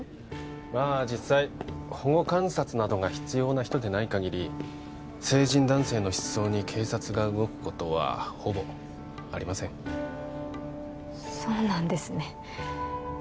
まあ実際保護観察などが必要な人でないかぎり成人男性の失踪に警察が動くことはほぼありませんそうなんですね